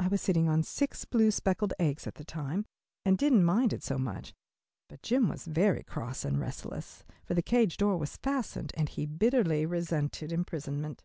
I was sitting on six blue, speckled eggs at the time, and didn't mind it so much, but Jim was very cross and restless, for the cage door was fastened and he bitterly resented imprisonment.